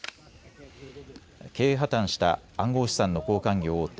経営破綻した暗号資産の交換業大手